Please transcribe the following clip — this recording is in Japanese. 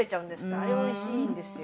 あれおいしいんですよ。